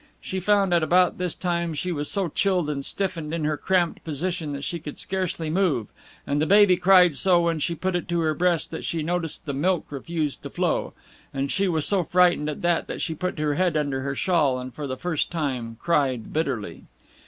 She found at about this time that she was so chilled and stiffened in her cramped position that she could scarcely move, and the baby cried so when she put it to her breast that she noticed the milk refused to flow; and she was so frightened at that, that she put her head under her shawl, and for the first time cried bitterly.